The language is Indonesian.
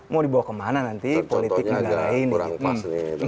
mau dibawa kemana nanti politik negara ini